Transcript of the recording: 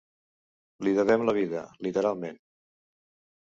Li devem la vida, literalment.